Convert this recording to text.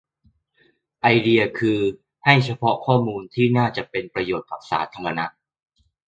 ไอเดียคือให้เฉพาะข้อมูลที่น่าจะเป็นประโยชน์กับสาธารณะ